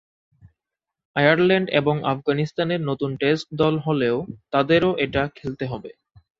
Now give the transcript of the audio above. Ireland এবং আফগানিস্তানের নতুন টেস্ট দল হলেও তাদেরও এটা খেলতে হবে।